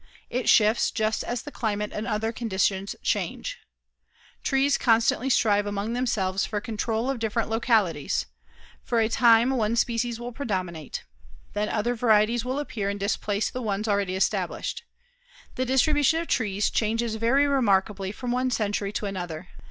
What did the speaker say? It shifts just as the climate and other conditions change. Trees constantly strive among themselves for control of different localities. For a time one species will predominate. Then other varieties will appear and displace the ones already established. The distribution of trees changes very remarkably from one century to another.